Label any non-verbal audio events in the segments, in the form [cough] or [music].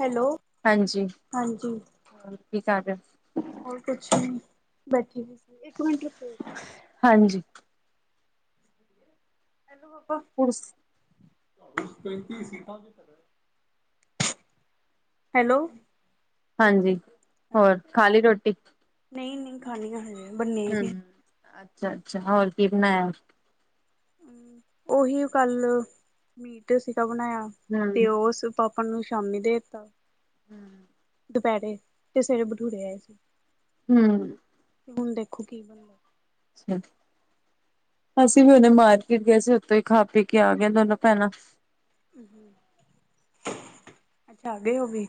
Hello. ਹਾਂਜੀ, ਹਾਂਜੀ ਕੀ ਕਰ ਰਏ। ਹੋਰ ਕੁਛ ਨਈ, ਬੈਠੀ ਦੀ ਸੀ, ਇੱਕ ਮਿੰਟ ਰੁਕੋ। ਹਾਂਜੀ। ਹੈਲੋ ਪਾਪਾ। [unintelligible] ਪੈਂਤੀ ਸੀਟਾਂ ਹੈਲੋ। ਹਾਂਜੀ, ਹੋਰ ਖਾ ਲੀ ਰੋਟੀ। ਨਈ-ਨਈ, ਖਾਣੀ ਆਂ ਹਜੇ। ਬੰਨੇ ਹੂੰ, ਨੀ ਅੱਛਾ-ਅੱਛਾ, ਹੋਰ ਕੀ ਬਣਾਇਆ? ਉਹੀਓ ਕੱਲ ਮੀਟ ਸੀਗਾ ਬਣਾਇਆ ਹਮ ਤੇ ਓਸ ਪਾ ਪਾ ਨੂੰ ਸ਼ਾਮੀ ਦੇ ਦੇੱਤਾ। ਹੂੰ। ਦੁਪੈੜੇ ਤੇ ਸਵੇਰੇ ਬਠੂਰੇੇ ਆਏ ਸੀ। ਹੂੰ ਹੁਣ ਦੇਖੋ ਕੀ ਬਣਦਾ? ਅੱਛਾ ਅਸੀਂ ਵੀ ਹੁਣੇ ਮਾਰਕੀਟ ਗਏ ਸੀ ਉੱਥੋਂ ਈ ਖਾ ਪੀ ਕੇ ਆ ਗਏ ਦੋਨੋ ਭੈਣਾਂ। ਅੱਛਾ ਆ ਗਏ ਓ ਵੀ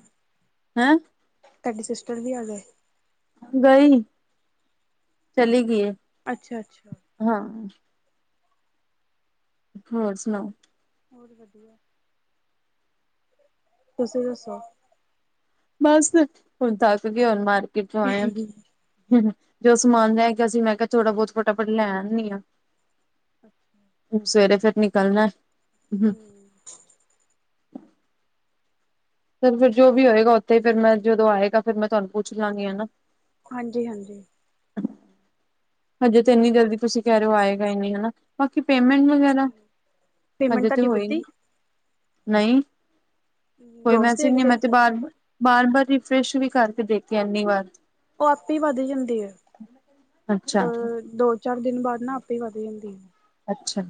ਹੈਂ ਤਾਡੀ ਸਿਸਟਰ ਵੀ ਆ ਗਏ। ਗਈ, ਚਲੀ ਗੀ ਐ। ਅੱਛਾ, ਅੱਛਾ। ਹਾਂ ਹੋਰ ਸੁਣਾਓ? ਹੋਰ ਵਧੀਆ। ਤੁਸੀ ਦਸੋ। ਬਸ ਹੁਣ ਥੱਕ ਕੇ ਹੁਣ ਮਾਰਕੀਟ ਚੋ ਆਏ ਆ। ਜੋ ਸਮਾਨ ਰੈ ਗਿਆ ਸੀ ਮੈਂ ਕਿਆ ਥੋੜਾ ਬਹੁਤ ਫਟਾਫਟ ਲੈਣ ਆਨੀ ਆ। ਅੱਛਾ ਸਵੇਰੇ ਫੇਰ ਨਿਕਲਣਾ ਫਿਰ ਹੂੰ ਫਿਰ, ਫਿਰ ਜੋ ਵੀ ਹੋਏਗਾ ਉੱਥੇ ਫਿਰ ਮੈਂ ਜਦੋਂ ਆਏਗਾ ਫਿਰ ਮੈਂ ਤੁਆਨੂੰ ਪੁੱਛ ਲਾਂਗੀ ਨਾ। ਹਾਂਜੀ ਹਾਂਜੀ ਹਜੇ ਤੇ ਇੰਨੀ ਜਲਦੀ ਤੁਸੀਂ ਕੈ ਰੇ ਓ ਆਏਗਾ ਈ ਨੀ। ਬਾਕੀ ਪੇਮੈਂਟ ਨਹੀਂ ਵਗੈਰਾ ਹਜੇ ਪੇਮੈਂਟ ਹਜੇ ਤੇ ਤੁਹਾਡੀ ਹੋਈ ਵਧੀ ਨਈ ਕੋਈ ਰੋਜ਼ ਮੈਸਿਜ ਨਈ ਦੇਖਦੇ ਮੈਂ ਹੋ ਤੇ ਤੁਸੀਂ? ਬਾਰ ਬਾਰ ਬਾਰ ਰੀਫਰੈਸ਼ ਵੀ ਕਰਕੇ ਦੇਖਿਆ ਇੰਨੀ ਵਾਰ ਓ ਆਪੇ ਵੱਧ ਜਾਂਦੇ ਐ। ਅ ਅੱਛਾ ਦੋ ਚਾਰ ਦਿਨ ਬਾਦ ਨਾ ਆਪੇ ਈ ਵੱਧ ਜਾਂਦੀ ਐ। ਅੱਛਾ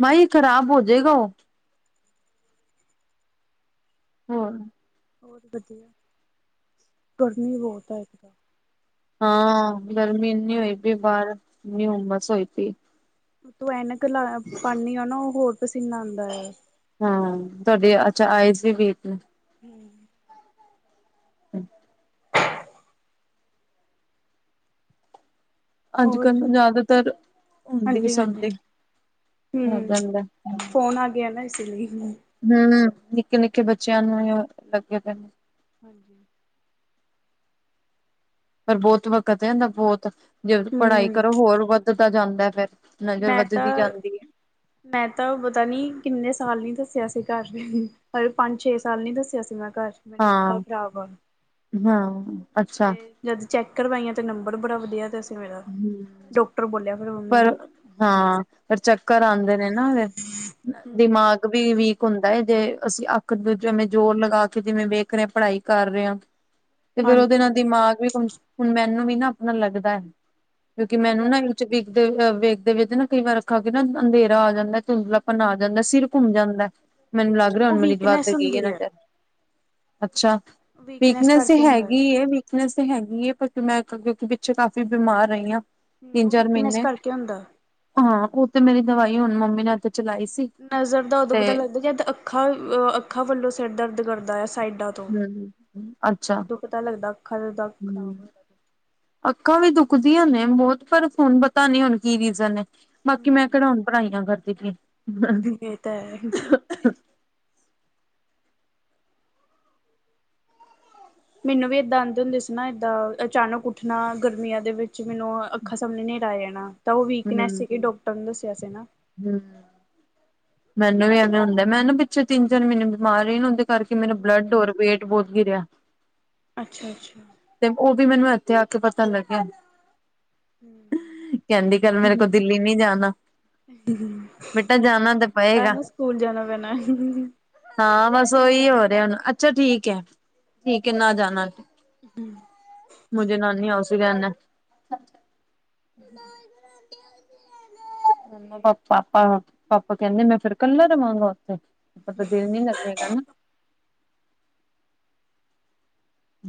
ਮਾਈ ਖ਼ਰਾਬ ਹੋਜੇਗਾ ਓ। ਹੋਰ ਹੋਰ ਵਧੀਆ ਗਰਮੀ ਬਹੁਤ ਆ ਅਜਕਲ ਹਾਂ ਗਰਮੀ ਏਨੀ ਹੋਈ ਪਈ ਬਾਰ ਏਨੀ ਹੁਮਸ ਹੋਈ ਪਈ। ਤੂੰ ਐਨਕ ਲ ਪਾਨੀ ਆ ਨਾ ਓ ਹੋਰ ਪਸੀਨਾ ਆਉਂਦਾ ਆ। ਹੂ ਤੁਆਡੀ ਅੱਛਾ ਆਈਸ ਵੀ ਵੀਕ ਨੇ। ਹੂੰ ਹ [inaudible] ਅੱਜ ਹੋਰ ਕੱਲ੍ਹ ਜਾਦਾਤਰ ਹੁੰਦੀ ਹਾਂਜੀ ਸਭ ਹਾਂਜੀ ਦੀ। ਹੋ ਹੂੰ ਜਾਂਦਾ ਫੋਨ ਆ ਗਿਆ ਨਾ ਇਸ ਲਈ ਹੂੰ। ਹੂੰ ਨਿੱਕੇ-ਨਿੱਕੇ ਬੱਚਿਆਂ ਨੂੰ ਵੀ ਲੱਗੇ ਦੇ ਨੇ। ਹਾਂਜੀ। ਪਰ ਬਹੁਤ ਵਕਤ ਐ ਇਦਾ ਬਹੁਤ ਜੇ ਹੂੰ ਪੜ੍ਹਾਈ ਕਰੋ ਹੋਰ ਵੱਧਦਾ ਜਾਂਦਾ ਫੇਰ ਮੈਂ ਤਾਂ। ਮੈਂ ਤਾਂ ਪਤਾ ਨੀ ਕਿੰਨੇ ਸਾਲ ਨੀ ਦੱਸਿਆ ਸੀ ਘਰ ਪਰ ਪੰਜ ਛੇ ਸਾਲ ਨੀ ਦੱਸਿਆ ਸੀ ਮੈ ਘਰ। ਮੇਰੀ ਅੱਖਾਂ ਹਾਂ ਖ਼ਰਾਬ ਆ। ਹੂੰ ਜਦ ਚੈੱਕ ਕਰਵਾਈਆਂ ਤੇ ਨੰਬਰ ਬੜਾ ਵਧੀਆ ਦਾ ਸੀ ਮੇਰਾ ਹਮ ਡਾਕਟਰ ਬੋਲਿਆ ਫ਼ੇਰ ਮੰਮੀ ਪਰ ਨੂੰ। ਹਾਂ, ਫੇਰ ਚੱਕਰ ਆਂਦੇ ਨੇ ਨਾ ਏਦੇ ਦਿਮਾਗ ਵੀ ਵੀਕ ਹੁੰਦਾ ਐ ਜੇ ਅਸੀਂ ਅੱਖ ਤੇ ਜਿਵੇਂ ਜੋੋਰ ਲਗਾ ਕੇ ਜਿਵੇਂ ਵੇਖ ਰਏ ਪੜ੍ਹਾਈ। ਕਰ ਰੇਆ, ਤੇ ਫੇਰ ਓਦੇ ਹਾਂਜੀ ਨਾਲ ਹਾਂਜੀ ਦਿਮਾਗ ਵੀ ਹੂ ਹੁਨ ਮੈਨੂੰ ਵੀ ਨਾ ਆਪਨਾ ਲੱਗਦੈ। ਕੇਓਕਿ ਮੈਨੂੰ ਨਾ [unintelligible] ਵੇਖਦੇ, ਵੇਖਦੇ ਨਾ ਕਈ ਵਾਰ ਅੱਖਾਂ ਅੱਗੇ ਨਾਂ ਅੰਧੇਰਾ ਆ ਜਾਂਦਾ ਐ, ਧੁੰਦਲਾਪਨ ਆ ਜਾਂਦਾ ਐ ਸਿਰ ਘੁੰਮ ਜਾਂਦਾ ਐ। ਮੈਨੂੰ ਲੱਗ ਰੈਆ ਉਹ ਹੋਨ ਮਨੀ ਜਵਾਬ ਦੇ ਵੀਕਨੈਸ ਗਈਏ ਹੁੰਦੀ ਐਨਾ ਹੈ ਘਰ, ਅੱਛਾ। ਵੀਕਨੈਸ ਤੇ ਕਰਕੇ ਹੁੰਦਾ ਹੈਗੀ ਏ। ਵੀਕਨੈਸ ਤੇ ਹੈਗੀ ਐ ਪਰ ਮੈਂ ਕਿਉਂਕਿ ਪਿੱਛੇ ਕਾਫੀ ਬਿਮਾਰ ਰਈ ਆ ਹਮ ਤਿੰਨ ਉਹ ਚਾਰ ਵੀਕਨੈਸ ਮੀਨੇ ਕਰਕੇ ਹੁੰਦਾ ਹਾਂ ਉਹ ਤੇ ਮੇਰੀ ਦਵਾਈ ਹੁਣ ਮੰਮੀ ਨੇ ਉੱਥੇ ਚਲਾਈ ਸੀ। ਨਜ਼ਰ ਦਾ ਓਦੋਂ ਤੇ ਪਤਾ ਲੱਗਦੈ ਜਦ ਅੱਖਾਂ ਅ ਅੱਖਾਂ ਵੱਲੋਂ ਸੇਰ ਦਰਦ ਕਰਦਾ ਯਾ ਸਾਈਡਾਂ ਤੋ। ਹਮ ਅੱਛਾ ਤੋਂ, ਓਦੋ ਪਤਾ ਅੱਖਾਂ ਦਾ ਤਾਂ ਖ਼ਰਾਬ ਹੂੰ। ਹੋਇਆ ਅੱਖਾਂ ਵੀ ਦੁੱਖਦੀਆ ਨੇ ਬੋਤ, ਪਰ ਹੋਨ ਪਤਾ ਨੀ ਹੋਨ ਕੀ ਰੀਜ਼ਨ ਏ। ਬਾਕੀ ਮੈਂ ਕੇੜਾ ਹੋਨ ਪੜ੍ਹਾਈਆਂ ਕਰਦੀ ਪੀਏ। ਏ ਤਾਂ ਹੈ। ਮੈਨੂੰ ਵੀ ਏਦਾਂ ਆਂਦੇ ਹੁੰਦੇ ਸੀ ਨਾ ਏਦਾ, ਅਚਾਨਕ ਉੱਠਨਾ ਗਰਮੀਆਂ ਦੇ ਵਿੱਚ ਮੈਨੂੰ ਅੱਖਾਂ ਸਾਮਣੇ ਨੇ ਨੇਰਾ ਆ ਜਾਣਾ, ਤਾਂ ਓ ਵੀਕਨੈਸ ਸੀਗੀ, ਡੋਕਟਰ ਨੇ ਦੱਸੇਆ ਸੀ ਨਾ। ਹੂੰ, ਮੈਨੂੰ ਵੀ ਐਵੇਂ ਹੁੰਦਾ ਮੈ ਨਾ ਪਿੱਛੇ ਤਿੰਨ-ਚਾਰ ਮੀਨੇ ਬਿਮਾਰ ਰਈ ਕਰਕੇ ਮੇਰਾ ਬਲੱਡ ਓਰ ਵੇਟ ਬੋਤ ਗਿਰੇਆ ਅੱਛਾ-ਅੱਛਾ। ਤੇ ਓ ਵੀ ਮੈਨੂੰ ਐਥੇ ਆ ਕੇ ਪਤਾ ਲੱਗੇਆ। ਕੈਂਦੀ, ਕੱਲ ਮੇਰੋ ਕੋ ਦਿੱਲੀ ਨੀ ਜਾਨਾ। ਹੂੰ, ਤਾਂ ਪਏਗਾ ਤਾਈਓ ਸੁਕੂਲ ਜਾਨਾ ਪੈਨਾ ਐ। ਹਾਂ, ਬਸ ਓਈ ਹੋ ਰੇਆ ਨਾ ਹੋਨ, ਅੱਛਾ ਠੀਕ ਐ, ਠੀਕ ਐ ਨਾ ਜਾਨਾ ਹੂੰ। ਮੁੱਝੇ ਨਾਨੀ ਹਾਊਸ ਈ ਰੈਨੈ। ਹੂੰ। [inaudible] ਪਾਪਾ, ਪਾਪਾ ਕੈਂਦੇ ਮੈਂ ਫੇਰ ਕੱਲਾ ਰਵਾਂਗਾ ਓਥੇ? ਪਾਪਾ ਦਾ ਦਿਲ ਨੀ ਲੱਗੇਗਾ ਨਾ।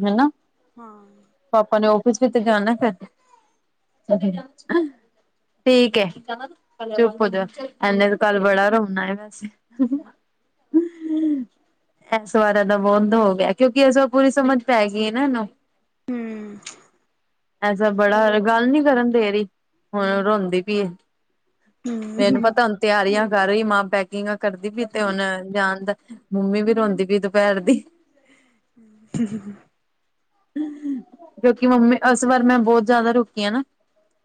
ਹੈਨਾ। ਹਾਂ। ਪਾਪਾ ਨੇ ਓਫਿਸ ਵੀ ਤੇ ਜਾਨੈ ਫੇਰ। ਠੀਕ ਏ, ਚੁੱਪ ਹੋਜਾ ਐਨੇ ਤੇ ਕੱਲ ਬੜਾ ਰੋਨਾ ਏ। ਏਸ ਵਾਰਾਂ ਦਾ ਬੋਧ ਹੋ ਗੇਆ ਕੇਓਕਿ ਏ ਸਬ ਪੂਰੀ ਓ ਸਮਝ। ਪੈ ਗੀਏ ਨਾ ਓਨੂੰ ਹੂੰ। ਐਸਾ ਬੜਾ ਗਾੱਲ ਨੀ ਕਰਨ ਦੇ ਰੀ ਹੁਣ ਰੋਂਦੀ ਪੀਏ। ਹੂੰ। ਮੈਨੂੰ ਪਤਾ ਹੋਨ ਤੇਆਰੀਆਂ ਕਰ ਰਈ ਏ ਮਾਂ, ਪੈਕਿੰਗਾਂ ਕਰਦੀ ਪੀ ਏ ਤੇ ਹੋਨ ਜਾਣ ਦਾ ਮੰਮੀ ਵੀ ਰੋਂਦੀ ਪੀ ਦੂਪੈਰ ਦੀ। ਹੂੰ। ਕੇਉਂਕਿ ਮੰਮੀ ਏਸ ਵਾਰ ਮੈਂ ਬੋਤ ਜਾਦਾ ਰੁਕੀ ਆ ਨਾ।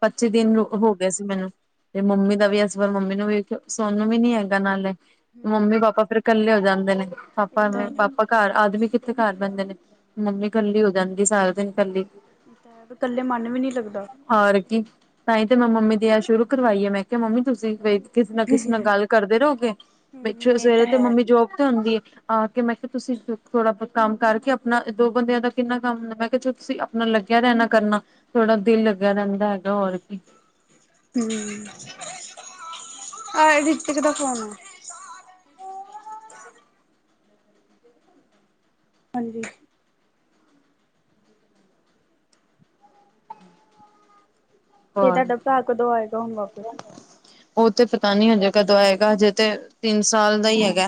ਪੱਚੀ ਦਿਨ ਹਾਂ। ਹੋ ਗੇਆ ਸੀ ਮੈਨੂੰ। ਤੇ ਮੰਮੀ ਦਾ ਵੀ ਏਸ ਵਾਰ ਮੰਮੀ ਨੂੰ ਵੀ ਸੋਨ ਵੀ ਨੀ ਹੈਗਾ ਨਾਲੇ, ਹੂੰ ਮੰਮੀ ਪਾਪਾ ਫੇਰ ਕੱਲੇ ਹੋ ਜਾਂਦੇ ਨੇ ਇਹ ਪਾਪਾ, ਤਾਂ ਹੈ ਪਾਪਾ ਘਾਰ ਆਦਮੀ ਕਿੱਥੇ ਘਾਰ ਬੇਦੇ ਨੇ, ਮੰਮੀ ਕੱਲੀ ਹੋ ਜਾਂਦੀ ਸਾਰਾ ਦਿਨ ਕੱਲੀ ਏ ਤਾਂ ਹੈ, ਕੱਲੇ ਮਾਨ ਵੀ ਨੀ ਲੱਗਦਾ। ਹੋਰ ਕੀ, ਤਾਂਹੀ ਤੇ ਮੈਂ ਮੰਮੀ ਦੀ ਐ, ਸ਼ੁਰੂ ਕਰਵਾਈ ਐ ਮੈਂ ਕੇਆ ਮੰਮੀ ਤੁਸੀ ਵ ਕਿਸੇ ਨਾ ਕਿਸੇ ਨਾਲ ਗਾੱਲ ਕਰਦੇ ਰੋਗੇ, ਵੀ ਹੂੰ ਸਵੇਰੇ ਇਹ ਤਾਂ ਸਵੇਰੇ ਹੈ। ਮੰਮੀ ਜੋਬ ਤੇ ਹੋਨਗੇ। ਆ ਕੇ ਮੈਂ ਕੇਆ ਤੁਸੀਂ ਥੋੜਾ ਬੋਤ ਕੰਮ ਕਾਰਕੇ ਆਪਣਾ ਦੋ ਬੰਦੇਆਂ ਦਾ ਕਿੰਨਾ ਕਾੰਮ ਹੁੰਦਾ ਮੈਂ ਕੇਆ ਜੇ ਤੁਸੀਂ ਆਪਨਾ ਲੱਗੇ ਯਾ ਨਾ ਕਰਨਾ ਥੋੜਾ ਦਿਲ ਲੱਗੇਆ ਰੈਂਦਾ ਹੈਗਾ ਹੋਰ ਵੀ। ਹੂੰ। ਹਾਂਜੀ। ਇਹ ਤੇ ਹੋਰ ਤੁਹਾਡਾ ਭਰਾ ਕਦੋਂ ਆਏਗਾ ਹੁਣ ਵਾਪਸ? ਉਹ ਤੇ, ਪਤਾ ਨੀ ਹਜੇ ਕਦੋਂ ਆਏਗਾ ਹਜੇ ਤੇ, ਤਿੰਨ ਸਾਲ ਦਾ ਹੀ ਹੈਗਾ,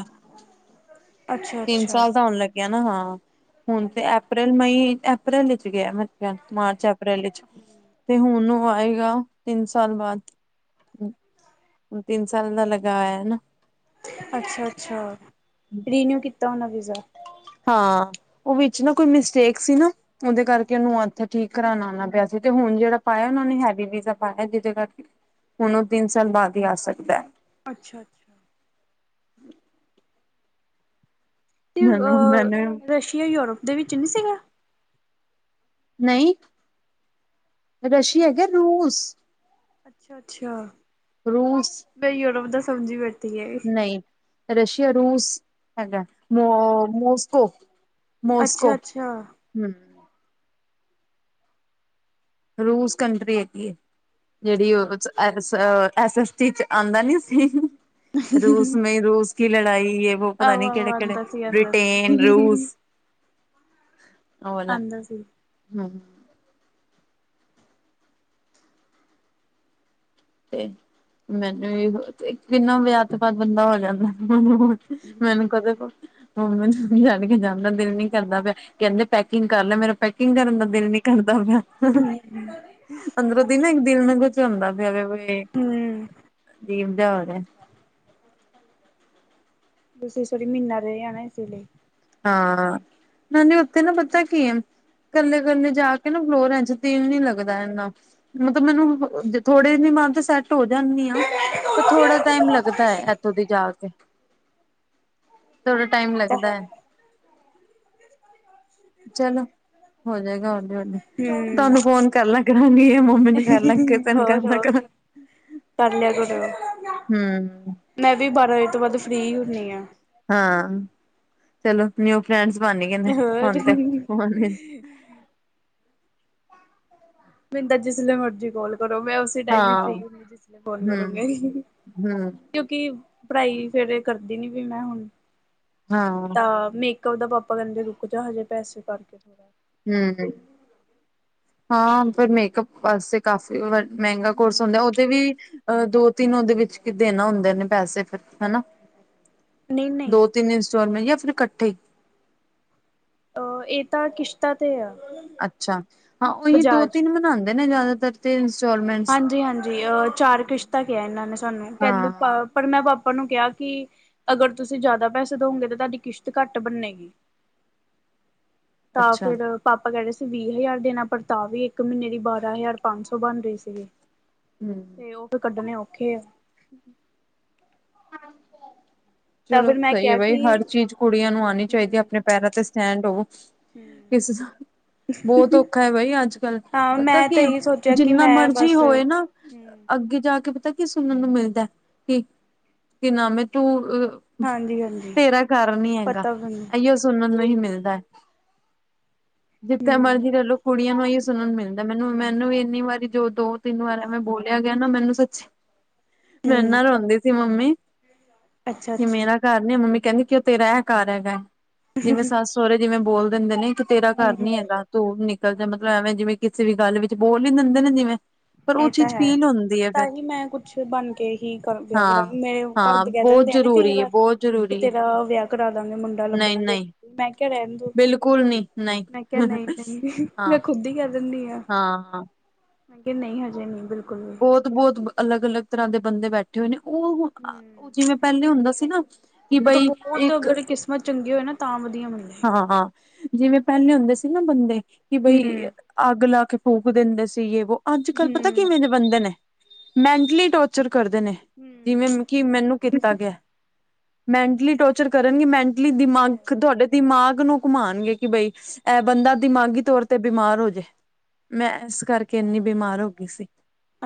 ਅੱਛਾ ਤਿੰਨ ਅੱਛਾ ਸਾਲ ਦਾ ਹੋਣ ਲੱਗਿਆ ਨਾ, ਹਾਂ। ਹੁਣ ਤੇ ਅਪ੍ਰੈਲ, ਮਈ, ਅਪ੍ਰੈਲ ਵਿੱਚ ਗਿਆ, ਮਤਲਬ ਮਾਰਚ ਅਪ੍ਰੈਲ ਵਿੱਚ ਤੇ ਹੁਣ ਉਹ ਆਏਗਾ ਤਿੰਨ ਸਾਲ ਬਾਅਦ, [unintelligible] ਤਿੰਨ ਸਾਲ ਦਾ ਲਗਾਆ ਏ ਨਾ। ਅੱਛਾ-ਅੱਛਾ ਰੀਨਿਊ ਕੀਤਾ ਹੋਨਾ ਵੀਜ਼ਾ। ਹਾਂ ਓ ਵਿੱਚ ਨਾ ਕੋਈ ਮਿਸਟੇਕ ਸੀ ਨਾ। ਉਹਦੇ ਕਰਕੇ ਉਹਨੂੰ ਹੱਥ ਠੀਕ ਕਰਾਉਣਾ ਆਉਣਾ ਪਿਆ, ਸੀ, ਪਰ ਤੇ ਹੁਣ ਜਿਹੜਾ ਪਾਇਆ ਉਹ ਨੇ, ਹੈਵੀ ਵੀਜ਼ਾ ਪਾਇਆ ਜਿਹਦੇ ਕਰਕੇ ਹੁਣ ਉਹ ਤਿੰਨ ਸਾਲ ਬਾਅਦ ਹੀ ਆ ਸਕਦਾ ਹੈ। ਅੱਛਾ, ਅਤੇ ਮੈਨੂੰ ਮੈਨੂੰ ਉਹ ਰਸ਼ੀਆ ਯੂਰਪ ਦੇ ਵਿੱਚ ਨਹੀਂ ਸੀਗਾ? ਨਹੀਂ ਅੱਛਾ। ਰਸ਼ੀਆ ਹੈਗਾ ਰੂਸ ਅੱਛਾ, ਅੱਛਾ। ਰੂਸ ਮੈਂ ਯੂਰੋਪ ਦਾ ਸਮਝੀ ਬੈਠੀ, ਹੈ। ਨਹੀਂ ਰਸ਼ੀਆ ਰੂਸ ਹੈਗਾ, ਮੋਸਕੋ ਮੋਸਕੋ ਅੱਛਾ ਅੱਛਾ। ਹੂੰ, ਰੂਸ ਕੰਟਰੀ ਹੈਗੀ ਹੈ ਜਿਹੜੀ ਐ, ਅੱਛਾ ਅੱਛਾ ਆਉਂਦਾ ਨਹੀਂ ਸੀ, ਰੂਸ ਮੈ ਰੂਸ ਕੀ ਲੜਾਈ। ਪਤਾ ਆਹੋ ਨੀ ਆਹੋ ਕਿਹੜੇ, ਕਿਹੜੇ ਆਂਦਾ ਸੀ ਆਂਦਾ ਬ੍ਰਿਟੇਨ ਰੂਸ ਸੀ ਆਉਂਦਾ ਸੀ। ਹੂੰ, ਤੇ ਮੈਨੂੰ ਕਿੰਨਾ ਵਿਆਹ ਤੋ ਬਾਦ ਬੰਦਾ ਹੋ, ਜਾਂਦਾ। ਮੈਨੂੰ ਕਦੇ ਮੈਨੂੰ ਛੱਡ ਕੇ ਜਾਂਣ ਦਾ ਦਿਲ ਨੀ ਕਰਦਾ ਪਿਆ। ਕਹਿੰਦੇ ਪੈਕਿੰਗ ਕਰ ਲੈ ਮੇਰਾ ਪੈਕਿੰਗ ਕਰਨ ਦਾ ਦਿਲ ਨੀ ਕਰਦਾ ਪਿਆ। ਅੰਦਰੋਂ ਦੀ ਨਾ ਇੱਕ ਦਿਲ ਨੂੰ ਕੁਛ ਹੁੰਦਾ ਪਹਿਲੇ ਵੀ, ਹਮ ਅਜੀਬ ਜਾ ਹੋਰ ਰਿਹਾ। ਤੁਸੀਂ ਇਸ ਵਰੀ ਮਹੀਨਾ ਰਹੇ ਆ ਨਾ ਇਸੇ ਲਈ, ਹਾਂ, ਨੀ ਉੱਥੇ ਨਾ ਪਤਾ ਕੀ ਆ। ਕੱਲੇ ਕੱਲੇ ਜੇ, ਕੇ ਨਾ ਫਲੋਰਾਂ ਚੋ, ਦਿਲ ਨੀ ਲੱਗਦਾ ਇੰਨਾ। ਮਤਲਬ ਮੈਨੂੰ ਥੋੜੇ ਵੀ ਮਨ ਸੈਟ ਹੋ ਜਾਂਦੀ ਹਾਂ ਪਰ ਥੋੜ੍ਹਾ ਟਾਈਮ ਲੱਗਦਾ ਹੈ, ਇੱਥੋਂ ਦੀ ਜਾ, ਕੇ ਥੋੜਾ ਹਮ ਟਾਈਮ ਇਹ ਤਾਂ ਲੱਗਦਾ ਹੈ। ਚਲੋ ਹੋ ਜਾਏਗਾ ਹੋਲੀ-ਹੋਲੀ ਤੁਹਾਨੂੰ ਫੋਨ ਕਰ ਲਾ ਕਰਾਂਗੀ ਆ। ਹੋਰ-ਹੋਰ, ਕਰ ਲਿਆ ਕਰੋ। ਹੂੰ। ਮੈਂ ਵੀ ਬਾਰਾਂ ਵਜੇ ਤੋਂ ਬਾਅਦ ਫਰੀ ਹੀ ਹੁੰਣੀ ਹਾਂ। ਹਾਂ ਚਲੋ, ਨਿਊ ਫਰੈਂਡਸ ਬਣਗੇ ਹੋਰ ਹੁਣ ਤੇ ਫੋਨ ਤੇ, ਮੈਨੂੰ ਤੇ ਜਿਸਲੇ ਮਰਜ਼ੀ ਕਾਲ ਕਰੋ ਮੈਂ, ਟਾਈਮ ਵੀ ਫ੍ਰੀ ਹਾਂ, ਹੁੰ ਜਿਸ ਫੋਨ ਹੂੰ, ਕਰੂੰਗੇ ਹੂੰ, ਕਿਉਕਿ ਪੜ੍ਹਾਈ ਫੇਰ ਕਰਦੀ ਨੀ ਵੀ ਮੈ ਹੁਣ ਹਾਂ ਤਾਂ ਮੇਕਅਪ ਦਾ ਪਾਪਾ ਕਹਿਦੇ ਰੁਕ ਜਾ ਹਜੇ ਪੈਸੇ ਕਰਕੇ ਥੋੜ੍ਹਾ ਹੂੰ, ਹਾਂ ਪਰ ਮੇਕਅਪ ਵਾਸਤੇ ਕਾਫੀ ਮਹਿਗਾ ਕੋਰਸ ਹੁੰਦਾ ਹੂੰ ਉਹਦੇ ਵੀ ਅਹ ਦੋ ਤਿਨ ਉਹਦੇ ਵਿਚ ਦੇਣਾ ਹੁੰਦੇ ਨੇ, ਪੈਸੇ ਫਿਰ ਹਨਾ ਨਹੀ-ਨਹੀ, ਤਿਨ ਇਨ ਸਰੈ ਜਾਂ ਫਿਰ ਇਕਠੇ ਹੀ, ਅ ਇਹ ਤਾਂ ਕਿਸ਼ਤਾ ਤੇ ਆ। ਅਛਾ ਹਾਂ ਉਹੀ ਦੋ ਬਜਾਜ ਤਿਨ ਮਨਾਉਦੇ ਨੇ ਜ਼ਿਆਦਾਤਰ ਤੇ ਇੰਸਟੋਲਮੈਂਟ ਹਾਂਜੀ-ਹਾਂਜੀ ਅਹ ਚਾਰ ਕਿਸ਼ਤਾ ਕਿਹਾ ਇਹਨਾ ਨੇ ਸਾਨੂੰ ਕਹਿਦੇ ਹਾਂ ਪਰ ਮੈਂ ਪਾਪਾ ਨੂੰ ਕਿਹਾ ਕਿ ਅਗਰ ਤੁਸੀ ਜ਼ਿਆਦਾ ਪੈਸੇ ਦਓਗੇ, ਤਾਂ ਤੁਹਾਡੀ ਕਿਸ਼ਤ ਘੱਟ ਬਨੇਗੀ [inaudible] ਤਾਂ ਫੇਰ ਪਾਪਾ ਕਹਿ ਰਹੇ ਸੀ, ਵੀਹ ਹਜ਼ਾਰ ਦੇਣਾ ਪਰ ਤਾਂ ਵੀ ਇਕ ਮਹੀਨੇ ਦੀ ਬਾਰਾਂ ਹਜ਼ਾਰ ਪੰਜ ਸੌ ਬਣ ਰਹੀ ਸੀ। ਅਤੇ [unintelligible] [unintelligible] ਤੇ ਉਹ ਫੇਰ ਕੱਢਣੇ ਔਖੇ ਆ ਹਾਂਜੀ, ਤਾਂ ਚਲੋ ਫਿਰ ਮੈਂ ਸਹੀ ਹੈ, ਕਿਹਾ ਬਾਈ ਕਿ ਹਰ ਚੀਜ਼ ਕੁੜੀਆਂ ਨੂੰ ਆਉਣੀ ਚਾਹੀਦੀ ਹੈ, ਹੂੰ ਆਪਣੇ ਪੈਰਾਂ ਤੇ ਸਟੈਂਡ ਹੋਵੋ। ਹੂੰ, ਕਿਸੇ ਬਹੁਤ ਔਖਾ ਹੈ ਬਾਈ ਅਜ ਹਾਂ ਮਤਲਬ ਮੈਂ ਤਾਂ ਕਿ ਇਹੀ ਸੋਚਿਆ ਕਿ ਜਿਨਾ ਮੈਂ ਮਰਜ਼ੀ ਬਸ ਹੋਏ ਨਾ ਹੂੰ ਅਗੇ ਜਾ ਕੇ ਪਤਾ ਕੀ ਸੁਣਨ ਨੂੰ ਮਿਲਦਾ ਕਿ ਨਾ ਮੇ ਤੂੰ ਹਾਂਜੀ ਹਾਂਜੀ ਤੇਰਾ ਕਰ ਨੀ ਹੈਗਾ ਪਤਾ ਮੈਨੂੰ ਇਹੀ ਔ ਸੁਣਨ ਨੂੰ ਹੀ ਮਿਲਦਾ ਹੈ। ਜਿਥੇ ਹੂੰ ਮਰਜ਼ੀ ਚਲੋ ਕੁੜੀਆਂ ਨੂੰ ਹੀ ਸੁਣਨ ਮਿਲਦਾ ਮੈਨੂੰ, ਮੈਨੂੰ ਵੀ ਇਨੀ ਵਾਰੀ ਜੋ ਦੋ ਤਿਨ ਵਾਰਿਆਂ ਮੈ ਬੋਲਿਆ ਗਿਆ ਨਾ, ਮੈਨੂੰ ਸਚੀ ਮੈ ਹੂੰ ਇਨਾ ਰੋਂਦੀ ਸੀ ਮੰਮੀ ਅੱਛਾ ਕਿ ਅੱਛਾ ਮੇਰਾ ਘਰ ਨੇ ਮੰਮੀ ਕਹਿਦੀ, ਕਿ ਉਹ ਤੇਰਾ ਇਹ ਘਰ ਹੈਗਾ, ਜਿਵੇ ਸੱਸ ਸਹਰੇ ਜਿਵੇ ਬੋਲ ਦਿਦੇ ਨੇ ਤੇਰਾ ਘਰ ਹੂੰ ਨੀ ਹੂੰ ਹੈਗਾ, ਤੂੰ ਨਿਕਲ ਜਾ ਮਤਲਬ ਐਵੇ ਜਿਵੇ ਕਿਸੇ ਵੀ ਗਲ ਵਿਚ ਬੋਲ ਹੀ ਦਿਦੇ ਨੇ ਜਿਵੇ ਇਹ ਤਾਂ ਹੈ, ਤਾਂ ਹੀ ਮੈ ਕੁਛ ਬਣ ਕੇ ਹੀ ਕਰ ਵਿਆਹ ਹਾਂ। ਕਰਾਂਗੀ, ਮੇਰੇ ਹਾਂ ਘਰਦੇ ਕਹਿ ਬਹੁਤ ਦਿੰਦੇ ਆ, ਨਾ ਕਈ ਜ਼ਰੂਰੀ ਹੈ ਵਾਰ ਬਹੁਤ ਵੀ ਜ਼ਰੂਰੀ ਹੈ ਤੇਰਾ ਵਿਆਹ ਕਰਾ ਦਾਂਗੇ ਮੁੰਡਾ ਨਹੀਂ ਲਭਣਾ ਨਹੀਂ ਤੇਰਾ ਮੈਂ ਕਿਹਾ ਰਹਿਣ ਦੋ, ਬਿਲਕੁਲ ਨਹੀਂ ਨਹੀਂ। ਮੈਂ ਕਿਹਾ ਨਹੀ-ਨਹੀ ਮੈ ਹਾਂ ਖੁੱਦ ਹੀ ਕਹਿ ਦਿਨੀ ਹਾਂ ਹਾਂ, ਕੀ ਨਹੀ ਹਜੇ ਨਹੀ ਬਿਲਕੁਲ ਵੀ ਬਹੁਤ-ਬਹੁਤ, ਅਲਗ-ਅਲਗ ਤਰਾ ਦੇ ਬੈਠੇ-ਬੈਠੇ ਹੋਏ, ਨੇ ਉਹ ਹੂੰ ਜਿਵੇ ਪਹਿਲੇ ਹੁਦਾ ਸੀ ਨਾ ਕਿ ਉਹ ਤਾਂ ਬਈ ਬਹੁਤ ਇੱਕ ਅਗਰ ਕਿਸਮਤ ਚੰਗੀ ਹੋਏ ਨਾ, ਤਾਂ ਵਧੀਆ ਮੀਲਦੀ ਹਾਂ ਜਿਵੇ ਪਹਿਲੇ ਹੁਦੇ ਸੀ ਨਾ ਬਦੇ ਕਿ ਬਈ ਹੂੰ ਅੱਗ ਲਾ ਕੇ ਫੂਕ ਦਿਦੇ ਸੀਗੇ, ਵੋ ਅੱਜ-ਕਲ ਪਤਾ ਹੂੰ ਕਿਵੇ ਬੰਦੇ ਨੇ ਮੈਂਟਲੀ ਟੋਰਚਰ ਕਰਦੇ ਨੇ ਹੂੰ ਜਿਵੇ ਕਿ ਮੈਨੂੰ ਕੀਤਾ ਗਿਆ, ਮੈਟਲੀ ਟੋਰਚਰ ਕਰਨਗੇ ਮੈਟ ਲੀ ਇਹ ਤਾਂ ਦਿਮਾਗ ਹੈ। ਤੁਹਾਡੇ ਦਿਮਾਗ ਨੂੰ ਘੁਮਾਉਣਗੇ ਕਿ ਬਈ ਇਹ ਬੰਦਾ ਦਿਮਾਗੀ ਤੌਰ ਤੇ ਬਿਮਾਰ ਹੋਜੇ ਮੈ ਇਸ ਕਰਕੇ ਇਨੀ ਬਿਮਾਰ ਹੋ ਗਈ ਸੀ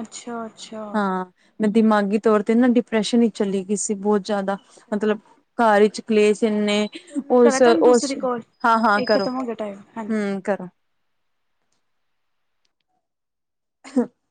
ਅੱਛਾ-ਅੱਛਾ, ਹਾਂ ਮੈਂ ਦਿਮਾਗੀ ਤੌਰ ਤੇ ਨਾ ਡਿਪਰੈਸ਼ਨ ਹੀ ਚਲੀ ਗਈ ਸੀ, ਬਹੁਤ ਜ਼ਿਆਦਾ ਅੱਛਾ ਮਤਲਬ ਘਰ 'ਚ ਕਲੇਸਨ ਐਨੇ ਫਿਰ ਮੈ ਕਰਾਂ ਤੁਹਾਨੂੰ ਦੂਸਰੀ ਕੋਲ ਇਹ ਖ਼ਤਮ ਹੋ ਗਿਆ, ਟਾਈਮ ਹਾਂਜੀ ਕਰ, ਹਾਂ [unintelligible]